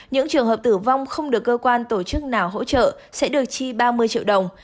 những trường hợp tử vong không được cơ quan tổ chức nào hỗ trợ sẽ được chi ba mươi triệu đồng